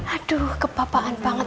aduh kepapaan banget